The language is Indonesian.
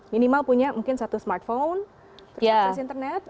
minimal punya mungkin satu smartphone terus akses internet apa lagi